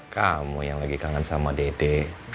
kamu yang lagi kangen sama dede